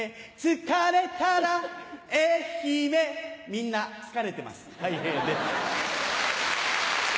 みんな疲れてますたい平です。